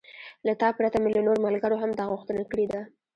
له تا پرته مې له نورو ملګرو هم دا غوښتنه کړې ده.